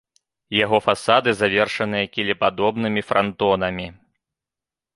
Яго фасады завершаныя кілепадобнымі франтонамі.